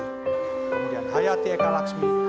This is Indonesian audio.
kemudian hayati eka laksmi